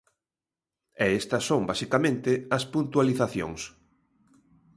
E estas son basicamente as puntualizacións.